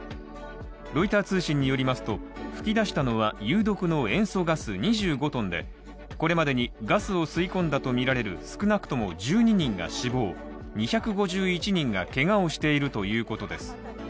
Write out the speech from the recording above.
ロイター通信によりますと噴き出したのは有毒の塩素ガス２５ｔでこれまでガスを吸い込んだとみられる少なくとも１２人が死亡、２５１人がけがをしているということです。